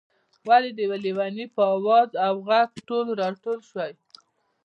ولې د یو لېوني په آواز او غږ ټول راټول شوئ.